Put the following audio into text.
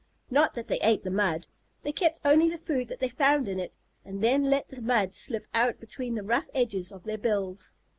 Not that they ate the mud. They kept only the food that they found in it, and then let the mud slip out between the rough edges of their bills.